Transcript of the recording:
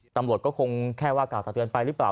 ตำรวจก็คงแค่ว่ากล่าวตักเตือนไปหรือเปล่า